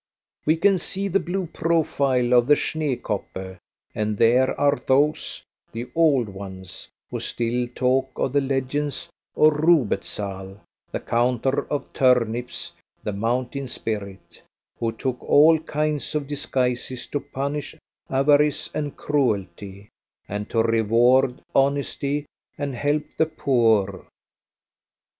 We can see the blue profile of the Schneekoppe; and there are those the old ones who still talk of the legends of Rubezahl, the counter of turnips (the mountain spirit), who took all kinds of disguises to punish avarice and cruelty, and to reward honesty and help the poor.